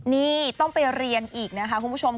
นี่ต้องไปเรียนอีกนะคะคุณผู้ชม